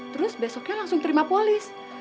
terus besoknya langsung terima polis